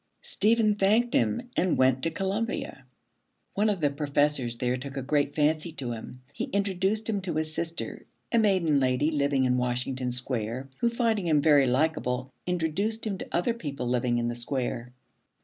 Stephen thanked him and went to Columbia. One of the professors there took a great fancy to him. He introduced him to his sister, a maiden lady living in Washington Square, who, finding him very likable, introduced him to other people living in the Square.